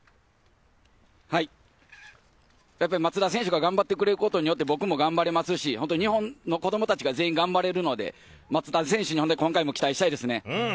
はい、やっぱり松田選手が頑張ってくれることによって僕も頑張れますし、日本の子どもたちが全員頑張れるので、松田選手に今回も期待したいです。